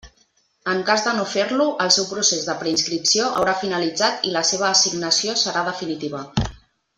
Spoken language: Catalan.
En cas de no fer-lo, el seu procés de preinscripció haurà finalitzat i la seva assignació serà definitiva.